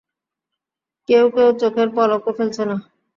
কেউ কেউ চোখের পলকও ফেলছে না।